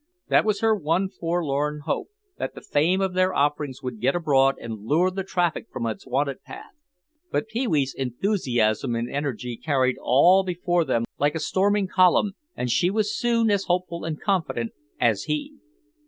That was her one forlorn hope, that the fame of their offerings would get abroad and lure the traffic from its wonted path. But Pee wee's enthusiasm and energy carried all before them like a storming column and she was soon as hopeful and confident as he.